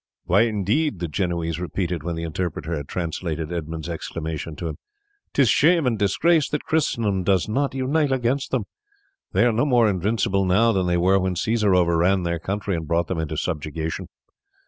"Why indeed?" the Genoese repeated when the interpreter had translated Edmund's exclamation to him. "'Tis shame and disgrace that Christendom does not unite against them. They are no more invincible now than they were when Caesar overran their country and brought them into subjection.